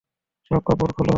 সব কাপড় খুলো।